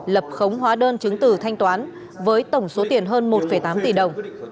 lập khống hóa đơn chứng từ thanh toán với tổng số tiền hơn một tám tỷ đồng